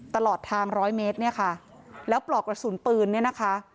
ตลอดทางร้อยเมตรเนี่ยค่ะแล้วปลอกกระสุนปืนเนี่ยนะคะ